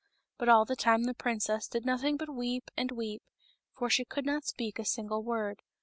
But all the time the princess did nothing but weep and weep, for she could not speak a single word.